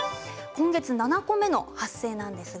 今月７個目の発生です。